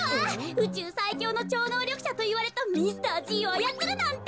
うちゅうさいきょうのちょうのうりょくしゃといわれたミスターＧをあやつるなんて。